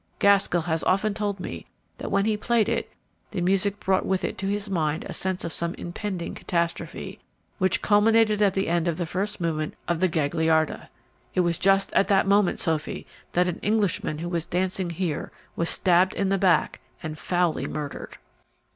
Gaskell has often told me that when he played it the music brought with it to his mind a sense of some impending catastrophe, which culminated at the end of the first movement of the Gagliarda. It was just at that moment, Sophy, that an Englishman who was dancing here was stabbed in the back and foully murdered."